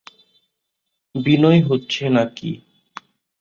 বিনয় হচ্ছে না কি?